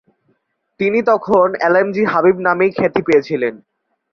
তিনি তখন এলএমজি হাবিব নামেই খ্যাতি পেয়েছিলেন।